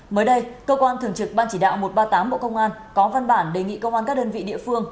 mới đây cơ quan thường trực ban chỉ đạo một trăm ba mươi tám bộ công an có văn bản đề nghị công an các đơn vị địa phương